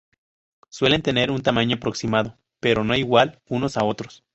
Suelen tener un tamaño aproximado pero no igual unos a otros.